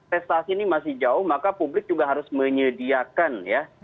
prestasi ini masih jauh maka publik juga harus menyediakan ya